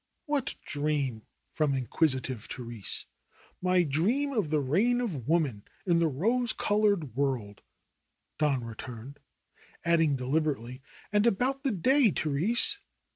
"What dream?" from inquisitive Therese.^ "My dream of the reign of woman in the rose colored world," Don returned, adding deliberately : "And about the day, Therese